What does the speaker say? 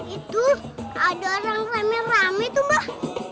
itu ada orang rame rame tuh mbak